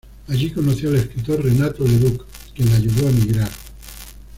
Allí conoció al escritor Renato Leduc, quien la ayudó a emigrar.